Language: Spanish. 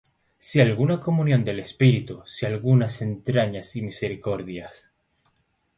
si alguna comunión del Espíritu; si algunas entrañas y misericordias,